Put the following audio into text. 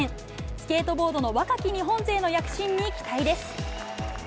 スケートボードの若き日本勢の躍進に期待です。